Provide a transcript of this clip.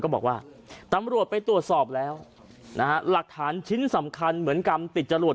บอกว่าตำรวจไปตรวจสอบแล้วนะฮะหลักฐานชิ้นสำคัญเหมือนกรรมติดจรวด